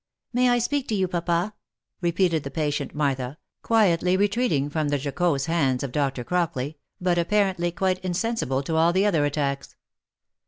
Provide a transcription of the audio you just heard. " May I speak to you, papa ?" repeated the patient Martha, quietly retreating from the jocose hands of Dr. Crockley, but apparently quite insensible to all the other attacks.